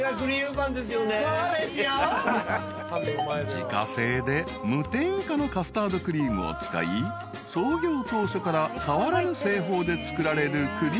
［自家製で無添加のカスタードクリームを使い創業当初から変わらぬ製法で作られるクリームパン］